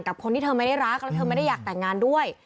กับคนที่เธอไม่ได้รักแล้วเธอไม่ได้อยากแต่งงานด้วย